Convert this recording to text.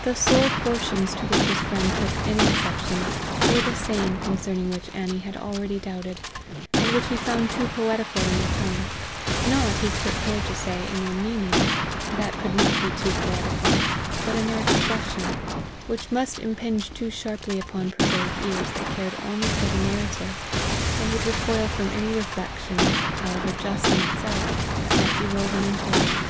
The sole portions to which his friend took any exception were the same concerning which Annie had already doubted, and which he found too poetical in their tone not, he took care to say, in their meaning, for that could not be too poetical, but in their expression, which must impinge too sharply upon prosaic ears that cared only for the narrative, and would recoil from any reflection, however just in itself, that might be woven into it.